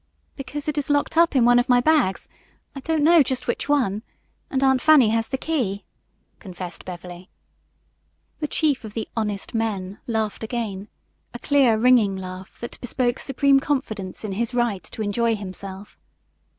"Because it is locked up in one of my bags I don't know just which one and Aunt Fanny has the key," confessed Beverly. The chief of the "honest men" laughed again, a clear, ringing laugh that bespoke supreme confidence in his right to enjoy himself.